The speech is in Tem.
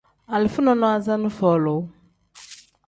Alifa nonaza ni folu.